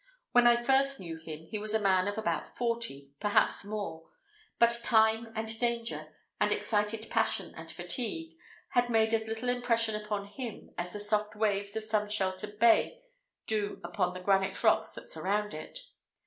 When I first knew him, he was a man of about forty, perhaps more; but time and danger, and excited passion and fatigue, had made as little impression upon him as the soft waves of some sheltered bay do upon the granite rocks that surround it.